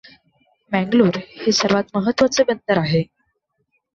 मेंगलोर हे सर्वात महत्त्वाचे बंदर आहे.